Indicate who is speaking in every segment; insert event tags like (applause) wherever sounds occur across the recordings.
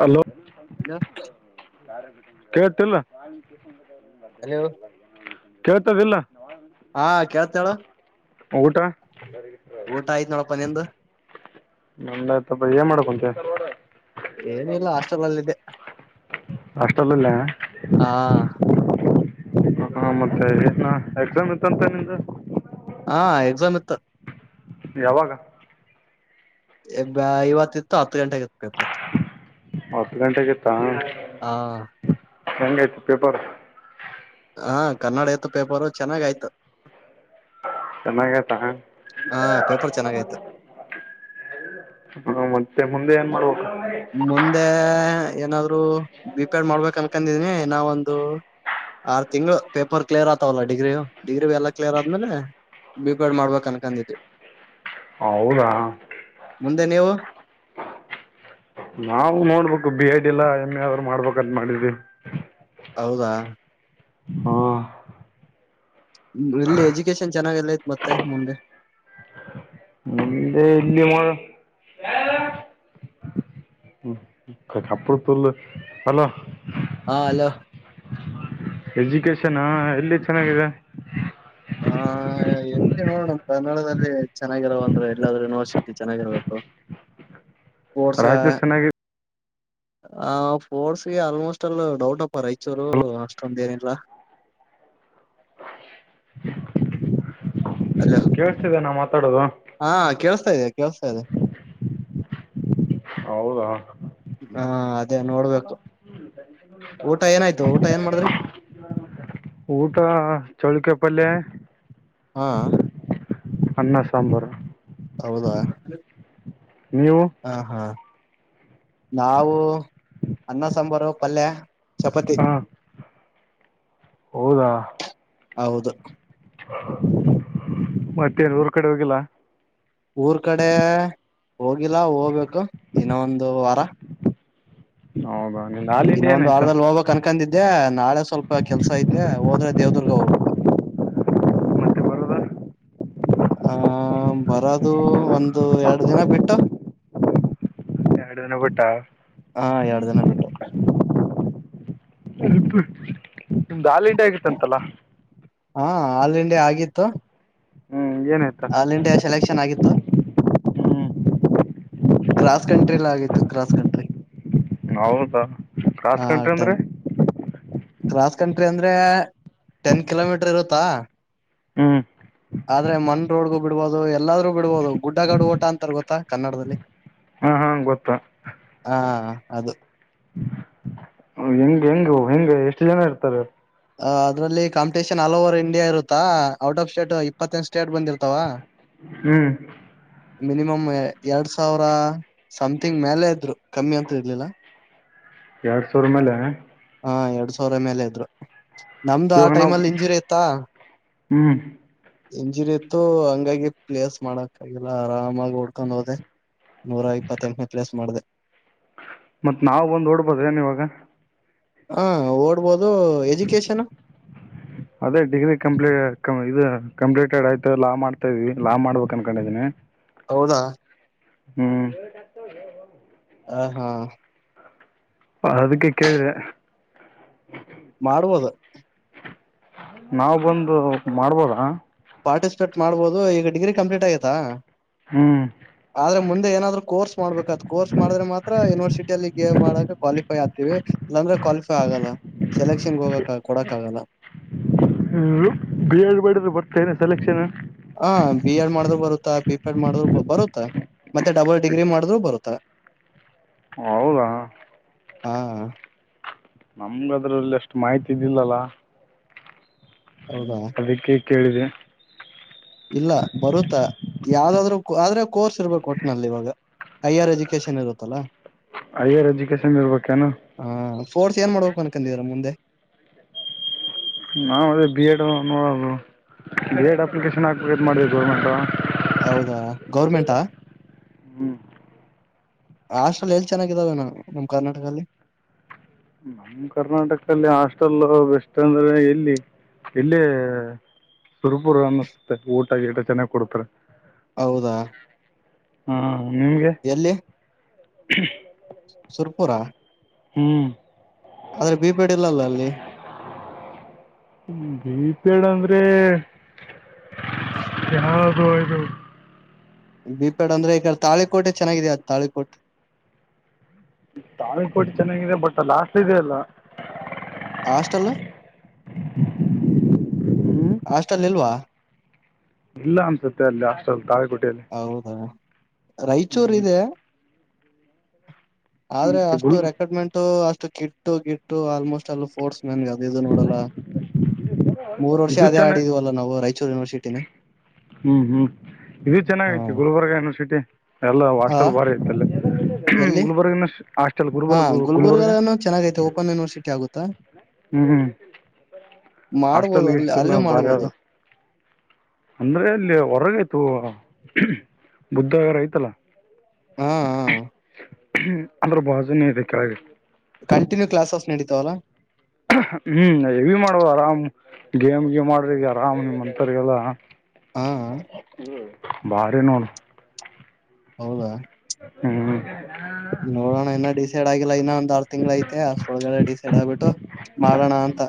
Speaker 1: Hello
Speaker 2: hello
Speaker 1: Kateel
Speaker 2: hello
Speaker 1: ಕೇಳ್ತದಿಲ್ಲ
Speaker 2: ಹಾ ಕೇಳ್ತಾಳ
Speaker 1: ಊಟ
Speaker 2: ಊಟ ಆಯ್ತ್ ನೋಡಪ್ಪ ನಿಂದು
Speaker 1: ಮಂದ ಆಯ್ತಪ್ಪ ಏನ್ ಮಾಡಕ್ಂತೆ
Speaker 2: ಏನಿಲ್ಲ ಹಾಸ್ಟೆಲ್ ಅಲ್ಲಿದೆ
Speaker 1: ಅಷ್ಟಲ್ಲ ಇಲ್ಲ
Speaker 2: ಹಾ
Speaker 1: ಹಾ ಮತ್ತೆ ಎಕ್ಸಾಮ್ ಇತ್ತಂತ ನಿದ
Speaker 2: ಹಾ ಎಕ್ಸಾಮ್ ಇತ್ತು
Speaker 1: ಯಾವಾಗ
Speaker 2: ಇಬ ಇವತ್ತ ಇತ್ತು ಹತ್ತು ಗಂಟೆ ಆಗತ್ತು ಪೇಪರ್
Speaker 1: ಹತ್ತು ಗಂಟೆಗೆ
Speaker 2: ಹ
Speaker 1: ಹೆಂಗ ಆಯ್ತು ಪೇಪರ್
Speaker 2: ಹಾ ಕನ್ನಡ ಎತ್ತು ಪೇಪರು ಚೆನ್ನಾಗ ಆಯ್ತು
Speaker 1: ಚನ್ನಾಗತ ಹ
Speaker 2: ಹಾ ಪೇಪರ್ ಚೆನ್ನಾಗಯ್ತು
Speaker 1: ಹ್ಮ ಮತ್ತ
Speaker 2: ಮುಂದೆ ಏನಾದ್ರು ಬಿಪ್ಯಾಡ್ ಮಾಡ್ಬೇಕ ಅನ್ಕಂದಿದನಿ ನಾವ ಒಂದು ಆರ್ ತಿಂಗಗಳು ಪೇಪರ್ ಕ್ಲಿಯರ್ ಆಗ್ತವಲ್ಲ ಡಿಗ್ರಿ ಡಿಗ್ರಿ ಬಿ ಎಲ್ಲ ಕ್ಲಿಯರ್ ಆದ್ಮೇಲೆ ಬಿಪಡ್ ಮಾಡ್ಬೇಕಕ್ ಅನ್ಕಂದಿದೆ
Speaker 1: ಹೌದಾ
Speaker 2: ಮುಂದೆ ನೀವು
Speaker 1: ನಾವು ನೋಡ್ಬೇಕು ಬಿ ಎಡ್ ಇಲ್ಲ ಎಮ್ ಎ ಆದರು ಮಾಡ್ಬೇಕಂತ ಮಾಡಿದ್ವಿ
Speaker 2: ಹೌದಾ
Speaker 1: ಹಾ
Speaker 2: ಇಲ್ಲಿ ಎಜುಕೇಶನ್ ಚೆನ್ನಾಗಲ್ಲೈತ್ ಮತ್ತೆ ಮುಮೆ
Speaker 1: ನಿ ಇಲ್ಲಿಯ ಮೋಳ ಕಪಡ ತುಲ್ ಅಲ
Speaker 2: ಹಾ ಅಲೋ
Speaker 1: ಎಜುಕೇಶನ್ ಎಲ್ಲಿ ಚೆನ್ನಾಗಿದೆ
Speaker 2: ಹಾ ಎತ್ತಿ ನೋಡೋಣ ಕನ್ನಡದಲ್ಲಿ ಚೆನ್ನಾಗಿರೋ ಅಂದ್ರು ಎಲ್ಲಾದ್ೂ ಯೂನಿವರ್ಸಿಟಿ ಚೆನ್ನಾಗಿರ್ಬೇಕು ಸ್ಪೋರ್ಟ್ಸ್
Speaker 1: ರಾಯತರು ಚೆನ್ನಾಗಿ
Speaker 2: ಆ ೋರ್ಸ್ಗೆ ಆಲ್ಮೋಸ್ಟ್ ಅಲ್ಲ ಡೌಟ್ ಅಪ್ಪ ರೈಚೂರು ಅಷ್ಟೊಂದ ಏನಿಲ್ಲ ಹ ಅಲೋ
Speaker 1: ಕೇಳಿಸ್ತಿದೆ ನಾ ಮಾತಾಡೋದು
Speaker 2: ಹಾ ಕೇಳಸ್ತಾ ಇದದೆ ಕೇಳಸ್ತಾ ಇದೆ
Speaker 1: ಹೌದಾ
Speaker 2: ಹಾ ಅದೇ ನೋಡ್ಬೇಕ ಊಟ ಏನ್ ಮಾಡಿದ್ರಿ
Speaker 1: ಊಟ ಚಳಕ ಪ್ಪಲ್ಲೆ
Speaker 2: ಹಾ
Speaker 1: ಅನ್ನ ಸಾಂಬಾರ
Speaker 2: ಹೌದಾ
Speaker 1: ನೀವು
Speaker 2: ಹಾ ಹಾ ನಾವು ಅನ್ನ ಸಾಂಬಾರು ಪಲ್ಯ ಚಪಾತಿ
Speaker 1: ಹಾ ಹೌದಾ
Speaker 2: ಹೌದು
Speaker 1: ಮತ್ತೆನ್ ಊರ್ ಕಡೆ ಹೋಗಿಲ್ಲ
Speaker 2: ಊರ್ ಕಡೆ ಹೋಗಿಲ್ಲ ಹೋಗ್ಬೇಕು ಇನ್ನೋ ಒಂದು ವಾರ
Speaker 1: ಹೌದಾ ನಿಂದ ಆಲ್ ಇಂಡಿಯಾ
Speaker 2: ಇನ್ನೊಂದ್
Speaker 1: ಏನಾಯ್ತು
Speaker 2: ವಾರದಲ್ಲಿ ಹೋಗ್ಬೇಕಕ್ ಅನ್ಕಂದಿದ್ದೆಾಳೆ ಸ್ವಲ್ಪ ಕೆಲ್ಸ ಐತೆ ಹೋದ್ರೆ ದೇವದುರ್ಗ ಹೋಗ್ಬೇಕು
Speaker 1: ಮತ್ತೆ ಬರೋದ
Speaker 2: ಆ ಬರದು ಒಂದು ಎರಡು ದಿನ ಬಿಟ್ಟು
Speaker 1: ಎರಡು ದಿನ ಬಿಟ್ಟ
Speaker 2: ಹಾ ಎರಡು ದಿನ ಬಿಟ್ಟು
Speaker 1: ನಿಮ್ದು ಹಾಲ ಇಂಡೆ ಆಗಿತ್ತಂತಲ್ಲ
Speaker 2: ಹಾ ಆಲ್ ಇಂಡಿಯ ಆಗಿತ್ತು
Speaker 1: ಹ್ಮ
Speaker 2: ಆಲ್ ಇಂಡಿಯಾ ಸೆಲೆಕ್ಷನ್ ಆಗಿತ್ತು ಕ್ರಾಸ್ ಕಂಟ್ರಿಲ ಆಗಿತ್ತು ಕ್ರಾಸ್ ಕಂಟ್ರಿ
Speaker 1: ಹೌದಾ ಕಾಸ
Speaker 2: ಹಾ
Speaker 1: ಕಂಟ್ರಿ ಅಂದ್ರೀ
Speaker 2: ಟೆನ್ ಕ್ರಾಸ್ ಕಂಟ್ರಿ ಅಂದ್ರೆ ಟೆನ್ ಕಿಲೋಮೀಟರ್ ಇರುತ್ತಾ
Speaker 1: ಹ್ಮ್
Speaker 2: ಆದ್ರೆ ಮನ್ ರೋಡ್ಗ ಬಿಡ್ಬಹುದು ಎಲ್ಲಾದ್ೂ ಬಿಡ್ಬಹುದು ಗುಡ್ಡಗಾಡು ಓಟ ಅಂತಾರ ಗೊತ್ತಾ ಕನ್ನಡದಲ್ಲಿ
Speaker 1: ಹಾ ಹಾ ಗೊತ್ತಾ
Speaker 2: ಹಾ ಅದು
Speaker 1: ಹೆಂಗ್ ಹೆಂಗ ಹೆಂಗ ಎಷ್ಟು ಜನ ಇರ್ತಾರೆ
Speaker 2: ಅ ಅದ್ರಲ್ಲಿ ಕಂಿಟೇಷನ್ ಆಲ್ ಓವರ್ ಇಂಡಿಯಾ ಇರುತ್ತಾ ಔಟ್ ಆಫ್ ಸ್ಟೇಟ್ ಇಪ್ಪತ್ತ ಸ್ಟೇಟ್ ಬಂದಿರ್ತಾವ
Speaker 1: ಹ್ಮ್
Speaker 2: ಮಿನಿಮಮ್ ಎರಡ್ ಸಾವಿರ ಸಮಥಿಂಗ್ ಮೇಲೆ ಇದ್ರು ಕಮ್ಮಿ ಅಂತ ಇರ್ಲಿಲ್ಲ
Speaker 1: ಎರಡ್ ಸಾವರ ಮೇಲೆ
Speaker 2: ಹಾ ಎರಡ್ ಸಾವಿರ ಮೇಲೆ ಇದ್ರು ನಮ್ದು ಆ
Speaker 1: ಇವಾಗ
Speaker 2: ಟೈಮ್
Speaker 1: ನಾವು
Speaker 2: ಅಲ್ಲಿ ಇಂಜುರಿ ಆಯತ್ತಾ
Speaker 1: ಹ್ಮ್
Speaker 2: ಇಂಜುರಿ ಇತ್ತು ಹಂಗಾಗಿ ಪ್ಲೇಸ್ ಮಾಡಕ್ಕಾಗಿಲ್ಲ ಆರಾಮಾಗಿ ಓಡ್ಕೊಂಡ್ ಹೋದೆ ನೂರ ಇಪ್ಪತ್ತೆಂಟನೇ ಪ್ಲೇಸ್ ಮಾಡಿದೆ
Speaker 1: ಮತ್ತ್ ನಾವವು ಒಂದ್ ಓಡ್ಬದ್ರೇನ್ ಇವಾಗ
Speaker 2: ಹಾ ಓಡ್ಬೋದು ಎಜುಕೇಶನ್
Speaker 1: ಅದೇ ಡಿಗ್ರಿ ಕಂಪ್ಲೀಟ್ ಇದು ಕಂಪ್ಲೀಟೆಡ್ ಆಯ್ತು ಲಾ ಮಾಡ್ತಾ ಇದ್ವಿ ಲಾ ಮಾಡ್ಬೇಕು ಅನ್ಕೊಂಡಿದೀನಿ
Speaker 2: ಹೌದಾ
Speaker 1: ಹ್ಮ್
Speaker 2: ಹ ಹಾ
Speaker 1: ಹ ಅದಕ್ಕೆ ಕೇಳಿದೆೆ
Speaker 2: ಮಾಡ್ಬೋದು
Speaker 1: ನಾವವು್ ಬಂದು ಮಾಡ್ಬೋದಾ
Speaker 2: ಅದು ಈಗ ಡಿಗ್ರಿ ಕಂಪ್ಲೀಟ್ ಆಗತಾ ಆದ್ರೆ ಮುಂದೆ ಏನಾದ್ರು ಕೋರ್ಸ್ ಮಾಡಬೇಕದು ಕೋರ್ಸ್ ಮಾಡಿದ್ರ ಮಾತ್ರ ಯನರ್ಸಿ ಸಿಟಿಲ್ಲಿ ಗೇಮ್ ಮಾಡಕ ಕ್ವಾಲಿಫೈ ಆಗ್ತೀವಿ ಇಲ್ಲಾಂದ್ರೆ ಕ್ವಾಲಿಫೈ ಆಗಲ್ಲ ಸೆಲೆಕ್ಷನ್ಗೆ ಹೋಗಕ್ ಕೊಡಕ್ ಆಗಲ್ಲ
Speaker 1: ಹ ಬಿ ಎಡ್ ಬಡಿದ್ರೆ ಬರ್ತೇನೆ ಸೆಲೆಕ್ಷನ್
Speaker 2: ಹ ಬಿ ಎಡ್ ಮಾಡ್ದ ಬರುತ್ತ ಬಿ ಪೆಡ್ ಮಾಡಿದ್ರು ಬರುತ್ತಾ ಮತ್ತೆ ಡಬಲ್ ಡಿಗ್ರಿ ಮಾಡಿದ್ರು ಬರುತ್ತಾ
Speaker 1: ಹೌದಾ
Speaker 2: ಹಾ
Speaker 1: ನಮ್ಗ ಅದ್ರಲ್ಲಿ ಎಷ್ಟು ಮಾಹಿತಿ ಇದಿಲ್ಲಲ್ಲ
Speaker 2: ಹೌದಾ
Speaker 1: ಕೇಳಿದೆ
Speaker 2: ಇಲ್ಲ ಬರುತ್ತಾ ಯಾವ್ದಾದ್ರು ಆದ್ರೆ ಕೋರ್ಸ್ ಇರ್ಬೇಕು ಒಟ್ನಲ್ಲಿ ಇವಾಗ ಹೈಯರ್ ಎಜುಕೇಶನ್ ಇರುತ್ತಲ್ಲ
Speaker 1: ಹೈಯರ್ ಎಜುಕೇಷನ್ ಇರ್ಬೇಕೇನು
Speaker 2: ಫೋರ್ಸ್ ಏನ್ ಮಾಡ ಕನಕಲ್ಲಿ ರಮಂದ
Speaker 1: ನಾವ ಅದೇ ಬಿ ಎಡ್ ಎಡ್ ಅಪ್ಲಿಕೇಶನ್ ಹಾಕ್ಬೇಕ ಮಾಡಿದೆವಿ ಗೌರ್ಮೆಂಟ್
Speaker 2: ಹೌದಾ ಗೌರ್ಮೆಂಟಾ
Speaker 1: ಹ್ಞೂ
Speaker 2: ರಾಷ್ಟ್ರಲ್ಲಿ ಎಲ್ಲಿ ಚೆನ್ನಾಗಿದ್ದಾವೆ ನ ನಮ ಕರ್ನಾಟಕದಲ್ಲಿ
Speaker 1: ನಮ್ಮ ಕರ್ನಾಟಕಲ್ಲಿ ಹಾಸ್ಟೆಲ್ ಬೆಸ್ಟ್ ಅಂದ್ರೆ ಎಲ್ಲಿ ಎಲ್ಲಿ ಸುರ್ಪುರ ಅನ್ನಿಸುತ್ತೆ ಊಟ ಗ ಟ ಚೆನ್ನಾಗ್ ಕೊಡ್ತಾರೆ
Speaker 2: ಹೌದಾ
Speaker 1: ಹಾ ನಿಮ್ಗೆ
Speaker 2: ಎಲ್ಲಿ ಸುರ್ಪುರ
Speaker 1: ಹ್ಮ್
Speaker 2: ಆದ್ರೆ ಬಿಪೇಡ್ ಇಲ್ಲಲ್ಲ ಅಲ್ಲಿ
Speaker 1: ಗೀತಂದ್ರೆ ಯಾವ ರ ರ
Speaker 2: ಬಿಪೆಡ್ ಅಂದ್ರೆ ಈಕ ತಾಳಿಕೋಟೆ ಚೆನ್ನಾಗಿದೆ ಅ ತಾಳಿಕೋಟೆ
Speaker 1: ತಾವಿ ಕೋಟ್ಟಿ ಚೆನ್ನಾಗಿದೆ ಬಟ್ ಲಾಸ್ಟ್ ಇ ಅಲ್ಲ
Speaker 2: ಹಾಸ್ಟಲ್
Speaker 1: (unintelligible) ಹ್ಞೂ
Speaker 2: ಅಷ್ಟಲ್ಲಿ ಇಲ್ವಾ
Speaker 1: ಇಲ್ಲ ಅನ್ಸುತ್ತೆ ಅಲ್ಲಿ ಹಾಸ್ಟೆಲ್ ತಾಳೆ ಕೊಟ್ಟು
Speaker 2: ಹೌದಾ ರಾಯಚೂರ್ ಇದೆ ಆದ್ರೆ
Speaker 1: ಹ್ಞೂ
Speaker 2: ಅಷ್ಟು
Speaker 1: ಗುಲ್
Speaker 2: ರೆಕ್ರೂಟ್ಮೆಂಟ್ು ಅಷ್ಟು ಕಿಟ್ಟು ಗಿಟ್ಟು ಆಲ್ಮೋಸ್ಟ್ ಎಲ್ಲ ಫೋರ್ಸ್ ನನ್ ಗ ಅದದು ನೋಡಲ್ಲ ಮೂರ್ ವರ್ಷ
Speaker 1: ಇದು
Speaker 2: ಅದೇ ಆಡಿದವಲ್ಲ ನಾವು ರಾಯಚೂರು ಯೂನಿವರ್ಸಿಟಿನೇ
Speaker 1: ಹ್ಮ್ ಹ್ಮ್ ಇದು
Speaker 2: ಹಾ
Speaker 1: ಚೆನ್ನಾಗೈತಿ ಗುಲ್ಬರ್ಗ ಯೂನಿವರ್ಸಿಟಿ ಎಲ್ಲ
Speaker 2: ಆ?
Speaker 1: ಹಾಸ್ಟೆಲ್ ಬಾರಿ ಐತ್ತಲ್ಲಿ.
Speaker 2: ಎಲ್ಲಿ
Speaker 1: ಗುಲ್ಬರ್ಗ ಹಟಲ್
Speaker 2: ಹಾ
Speaker 1: ಗುಬ ಗುಲ್ಬರ್ಗ
Speaker 2: ಗುಲ್ಬರ್ಗನು ಚೆನ್ನಾಗೈತೆ ಓಪನ್ ಯೂನಿವರ್ಸಿಟಿ ಆಗುತ್ತಾ
Speaker 1: ಹ್ಮ್
Speaker 2: ಮಾಡ್ಬೋದು
Speaker 1: ಹಸ್ಟಲ್
Speaker 2: ಅಲ್ಲಿ ಅಲ್ಲೂ
Speaker 1: ಗ ಬಾರಿ
Speaker 2: ಮಾಡ್ಬೋದು
Speaker 1: ಅಂದ್ರೆ ಅಲ್ಲಿ ಹೊರಗಯ್ತು ಬುದ್ಧಗರ ಐ್ತಲ್ಲ
Speaker 2: ಹ್ಮ್ ಹ್ಮ್
Speaker 1: ಅದ್ರ ಭಾಜನ ಇದೆ ಕೆಳ
Speaker 2: ಕಂಟಿನ್ಯೂ ಕ್ಲಾಸಸ್ ನಡೀತವಲ್ಲಾ
Speaker 1: ಹ್ಮ್ ಎವಿ ಮಾಡುವ ಆರಾಮ್ ಗೇಮ್ ಗೇಮ್ ಮಾಡ್ರ ಆರಾಮ್ ನಿ ಅಂತರ್ಗಲ್ಲ
Speaker 2: ಹಾ
Speaker 1: ಬಾರ ನ
Speaker 2: ಹೌದಾ
Speaker 1: ಹ್ಮ್
Speaker 2: ನೋಡೋಣ ಇನ್ನ ಡಿಸೈಡ್ ಆಗಿಲ್ಲ ಇನ್ನೊಂದ ತಿಂಗಳ ಐತೆ ಅಷ್ಟ್ರೊಳಲ್ಲ ಡಿಸೈಡ್ ಆಗ್ಬಿಟ್ಟು ಮಾಡೋಣ ಅಂತ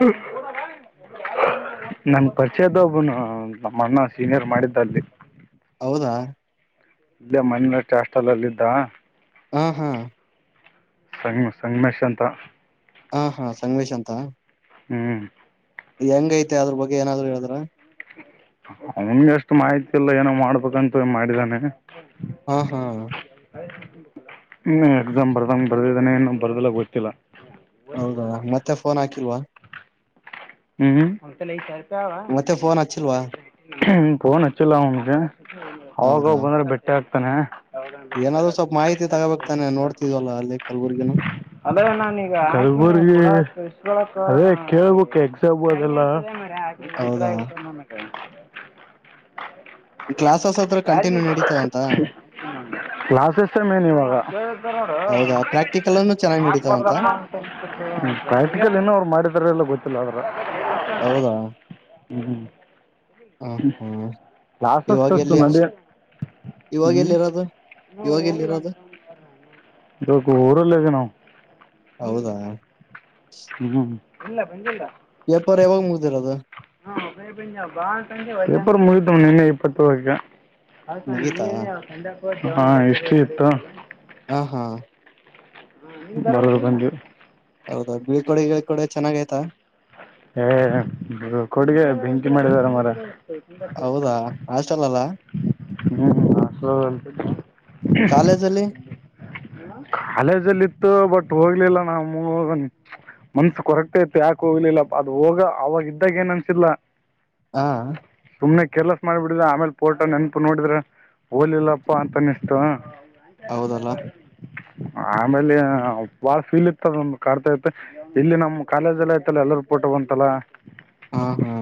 Speaker 1: ಹ್ಮ ನನ್ ಪರಿಚಯದ ಒಬ್ಬನು ನಮ್ಮ ಅಣ್ಣಾ ಸೀನಿಯರ್ ಮಾಡಿದ್ದ ಅಲ್ಲಿ
Speaker 2: ಹೌದಾ
Speaker 1: ಇಲ್ಲ ಮಣಷ್ಟ ಅಷ್ಟಲ್ಲಲ್ಲ ಇದಿದ್ದ
Speaker 2: ಹ ಹಾ
Speaker 1: ಸಂ ಸಂಗಮೇಶ್ ಅಂತ
Speaker 2: ಹಾ ಹಾ ಸಂಗವೇಶ್ ಅಂತ
Speaker 1: ಹ್ಮ್
Speaker 2: ಹೆಂಗ ೈತೆ ಅದ್ರ ಬಗ್ಗೆ ಏನಾದ್ರು ಹೇಳಿದ್ರ
Speaker 1: ಅವನ್ಗೆ ಅಷ್ಟು ಮಾಹಿತಿ ಇಲ್ಲ ಏನೋ ಮಾಡ್ಬೇಕಂತ ಮಾಡಿದಾನೆ
Speaker 2: ಹಾ ಹಾ
Speaker 1: ಹ್ಮ ಎಕ್ಸಾಮ್ ಬರ್ದಂಗ ಬರ್ದಿದ್ದಾನೆ ಏನು ಬರ್ದಲ ಗೊತ್ತಿಲ್ಲ
Speaker 2: ಹೌದ ಮತ್ತೆ ಫೋನ್ ಹಾಕಿಲ್ವಾ
Speaker 1: ಹ್ಮ್ ಹ್ಮ್ ಹಂತಲ್ಲ ಸ
Speaker 2: ಮತ್ತೆ ಫೋನ್ ಹಚ್ಚಿಲ್ವಾ
Speaker 1: ಹ್ಮ ಫೋನ್ ಹಚ್ಚಿಲ್ಲ ಅವನ್ಗೆ ಅವಾಗವ
Speaker 2: ಹೌದಾ
Speaker 1: ಬಂದ್ರೆ ಬೆಟ್ಟೆ ಹಾಕ್ತಾನೆ
Speaker 2: ಏನಾದ್ರು ಸ್ವಲ್ಪ ಮಾಹಿತಿ ತಗೋಬೇಕ್ತಾನೆ ನೋಡ್ತಿದ್ವಲ್ಲ ಅರ್ಲಿ ಕಲ್ಬುರ್ಗನು
Speaker 1: ಅದ ನಾನೀಗ ಅದೇ ಕೇಳ್ಬೇಕುು ಎಕ್ಸಾಮು ಅದೆಲ್ಲ
Speaker 2: ಹೌದಾ ಕ್ಲಾಸಸ್ ಹತ್ರ
Speaker 1: ಯಾರಿಗೆ
Speaker 2: ಕಂಟಿನ್ಯೂ
Speaker 1: ಹ
Speaker 2: ನಡೀತಾವಂತ
Speaker 1: ಕ್ಲಾಸ್ ಎಸ್ ಮೇನ್ ಇವಾಗ
Speaker 2: ಹೌದಾ ಪ್ರಾಕ್ಟಿಕಲ್ ಅನ್ನು ಚೆನ್ನಾಗಿ ನಡೀತಾವಂತ
Speaker 1: ಹ್ಮ ಪ್ರಾಕ್ಟಿಕಲ್ ಇನೋರು ಮಾಡಿದಾರಲ್ಲ ಗೊತ್ತಿಲ್ಲ ಅವ ಹ್ಮ್
Speaker 2: ಹೌದಾ
Speaker 1: ಹ್ಮ
Speaker 2: ಹ ಹ್ಮ್
Speaker 1: ಕ್ಲಾಸಸ್
Speaker 2: ಇವಾಗ ಎಲ್ಲಿ
Speaker 1: ಎತನಲ್ಲಿ
Speaker 2: ಇವಾಗ
Speaker 1: ಹ್ಮ್
Speaker 2: ಎಲ್ಲಿ ಇರೋದು ಇವಾಗ ಎಲ್ಲಿ ಇರೋದು
Speaker 1: ಊರಲ್ಲಿದ್ದೀನಿ
Speaker 2: ಹೌದಾ
Speaker 1: ಹ್ಮ ಇಲ್ಲ ಬಜ ಇಲ್ಲ
Speaker 2: ಪೇಪರ್ ಯಾವಾಗ ಮುಗ್ದಿರೋದು
Speaker 1: ಹಜಾ ನಿನ್ನೆ ಇಪ್ಪತ್ತ
Speaker 2: ಮುಗೀತಾ
Speaker 1: ಹಾ ಎಷ್ಟ ಇತ್ತು
Speaker 2: ಹ ಹಾ
Speaker 1: ಬಕಂಜ
Speaker 2: ಹೌದೌ ಬೀಳ್ಕೋಡೆ ಗೀಳ್ಕಡೆ ಚನ್ನಾಗ ಆ್ತಾ
Speaker 1: ಏ ಕೊಡ್ಗೆ ಬೆಂಕಿ ಮಾಡಿದಾರ ಮಾರಾಯ
Speaker 2: ಹೌದಾ ಹಾಸ್ಟೆಲ್ ಅಲ್ಲಾ
Speaker 1: ಹ್ಮ್್ಮಸ
Speaker 2: ಕಾಲೇಜಲ್ಲಿ
Speaker 1: ಕಾಲೇಜಲ್ಲಿ ಇತ್ತು ಬಟ್ ಹೋಗ್ಲಿಲ್ಲ ನಾ ಮನ್ಸ ಕೊರಕ್ಟ ಐತಿ ಯಾಕ ಕೋಗ್ಲ ಇಲ್ಲ ಅದು ಹೋಗ ಅವಾಗ ಇದ್ದಾಗ ಏನ್ ಅನ್ಸಿಲ್ಲ
Speaker 2: ಹಾ
Speaker 1: ಸುಮ್ನೆ ಕೆಲಸ್ ಮಾಡಿಬಿಡಿದೆ ಆಮೇಲ್ ಪೋರ್ಟ ನೆನಪು ನೋಡಿದ್ರ ಹೋಲಿಲ್ಲಪ್ಪಾ ಅಂತ ಅನಿಸ್ತು ಹಂಚ ನಂಬರ್
Speaker 2: ಹೌದಲ್ಲ
Speaker 1: ಕ ಆಮೇಲೆ ಬಾಳ ಫೀಲ್ ಇತದ ಒಂದು ಕರ್ತೈತೆ ಇಲ್ಲಿ ನಮ್ಮ್ ಕಾಲೇಜಲ್ಲ ಎಲ್ಲರೂ ಪೋಟ ಬಂತಲ್ಲ
Speaker 2: ಹಾ ಹಾ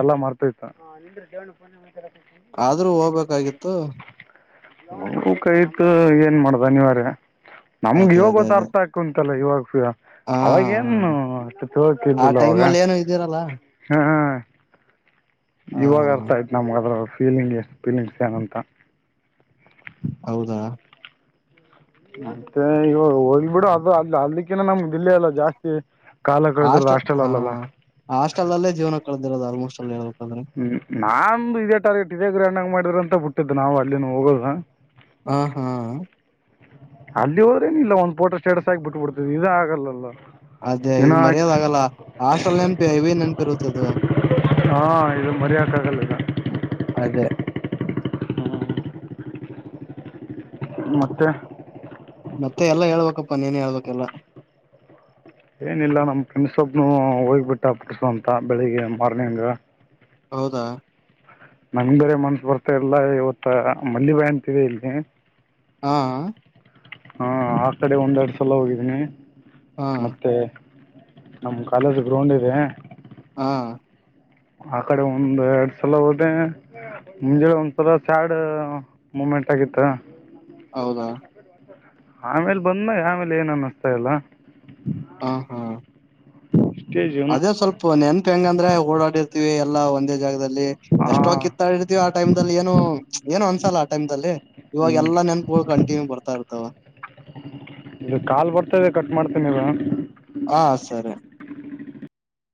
Speaker 1: ಎಲ್ಲ ಮ್ತತ
Speaker 2: ಆದ್ರೂ ಹೋಗ್ಬೇಕಾಗಿತ್ತು
Speaker 1: ಕಯತು ಏನ್ ಮಾಡ್ದ ನೀಿವರ ನಮ್ಗ
Speaker 2: ಅದೇ
Speaker 1: ಇವ
Speaker 2: ಅದೇ
Speaker 1: ಗತ್ತ
Speaker 2: ಅದೇ
Speaker 1: ಅರ್ಥ ಆಾಕಂ ಇತ್ತಲ್ಲ ಇವಾಗ
Speaker 2: ಹಾ ಹಾ.
Speaker 1: ಅವಾಗೇಏನು
Speaker 2: ಆ ಟೈಮ್ ಅಲ್ಲಿ ಏನು ಇದ್ದೀರಲ್ಲ
Speaker 1: ಹಾ
Speaker 2: ಹ
Speaker 1: ಇವಾಗ ಅರ್ಥ ಆಯತ್ ನಮಗ ಅದ್ರ ಫೀಲಿಂಗ್ ಎಷ್ಟು ಫೀಲಿಂಗ್ಸ್ ಏನಂತ
Speaker 2: ಹೌದಾ
Speaker 1: ಮತ್ತೆ ಈ ಹೋಗ್ ಬಿಿಡು ಅದು ಅ ಅಲ್ಲಿಕ್ಕನ ನಮ್ ಇಲ್ಲಿ ಎಲ್ಲ ಜಾಸ್ತಿ ಕಾಲ ಕಳೆದಿರದು ಹಾಸ್ಟೆಲ್ ಅಲ್ಅಲ್ಲ
Speaker 2: ಹಾಸ್ಟೆಲ್ ಅಲ್ಲೇ ಜೀವನ ಕಳೆದಿರೋದು ಆಲ್ಮೋಸ್ಟ್ ಅಲ್ಲಿ ಹೇಳ್ಬೇಕಂದ್ರೆ
Speaker 1: ಹ್ಮ್ ನಾ ಇದೇ ಟಾರ್ಗೆಟ್ ಇದೇ ಗ್ರಹಣ್ಾಗ ಮಾಡಿದ್ರ ಅಂತ ಬಿಟ್ಟಿದ್ದ್ ನಾವ್ ಅಲ್ಲಿನ ಹೋಗೋದು
Speaker 2: ಹ ಹಾ
Speaker 1: ಅಲ್ಲಿ ಹೋದ್ರೇನ ಇಲ್ಲ ಒಂದ್ ೋಟೋ ಸ್ಟೇಟಸ್ ಆಗಿಬ ಬಿಟ್ಟುಬಡ್ತದೆ ಇದು ಆಗಲ್ಲಲ್ಲ
Speaker 2: ಅದೇ
Speaker 1: ಇನ್ನ
Speaker 2: ಇದು ಮರ್ಯಾದೆ ಆಗಲ್ಲ ಆ ಹಾಸ್ಟೆಲ್ ನೆನಪಿ ಇವೇ ನೆನಪಿ ಇರುತ್ತದು
Speaker 1: ಮರ್ಯ ಕಾಗಲ್ಲಲ್ಲ ಮತ್ತೆ
Speaker 2: ಕಲ
Speaker 1: ಏನಿಲ್ಲ ನಮ್ ಫೆಂಡ್ಸ್ೊಬ್ನು ಹೋಗ್ಬಿಟ್ಟ ಪುಟ್ಸಂತ ಬೆಳಿಗ್ಗೆ ಮಾರ್ನಿಂಗ್
Speaker 2: ಹೌದಾ
Speaker 1: ನಂಗ ಬೇರೆ ಮನ್ಸ ಬರ್ತಾ ಇಲ್ಲ ಇವತ್ತ ಮಲ್ಲಿ ಬಾಯಿ ಅಂತಿದೆ ಇಲ್ಲಿಗೆ
Speaker 2: ಹಾ
Speaker 1: ಹಾ ಆ ಕಡೆ ಒಂದೆರಡು ಸಲ ಹೋಗಿದೀನಿ
Speaker 2: ಹಾ
Speaker 1: ಮತ್ತೆ ನಮ್ ಕಾಲೇಜ್ ಗ್ರೌಂಡ್ ಇದೆ
Speaker 2: ಹಾ
Speaker 1: ಆ ಕಡೆ ಒಂದ್ ಎರಡ್ ಸಲ ಹೋದೆ ಮುಂಜ ಒಂ್ಥರ ಸ್ಯಾಡ್ ಮೂಮೆಂಟ್ ಆಗಿತ್ತ
Speaker 2: ಹೌದಾ
Speaker 1: ಆಮೇಲ್ ಬಂದ ಆಮೇಲೆ ಏನ್ ಅನ್ನಿಸ್ತಾ ಇಲ್ಲ
Speaker 2: ಹ ಹಾ
Speaker 1: ಇಷ್ಟೇ ಜೀವನ
Speaker 2: ಅದೇ ಸ್ವಲ್ಪ ನೆನ್ಪು ಹೆಂಗ ಅಂದ್ರೆ ಓಡಾಡಿರ್ತಿೀವಿ ಎಲ್ಲಾ ಒಂದೇ ಜಾಗದ ಇಲ್ಲಿ
Speaker 1: ಆ,
Speaker 2: ಎಷ್ಟೋ ಕಿತ್ತಾಡಿರ್ತೀವಿ ಆ ಟೈಮ್ಲ್ಲಿ ಏನು ಏನು ಅನ್ಸಲ್ಲ ಆ ಟೈಮ್ ಅಲ್ಲಿ ಇವಾಗ
Speaker 1: ಹ್ಮ್,
Speaker 2: ಎಲ್ಲಾ ನೆನ್ಪುಗಳು ಕಂಟಿನ್ಯೂ ಬರ್ತಾ ಇರ್ತಾವ
Speaker 1: ಇ ಕಾಲ್ ಬರ್ತದೆ ಕಟ್ ಮಾಡ್ತೀನವ
Speaker 2: ಹಾ ಸರಿ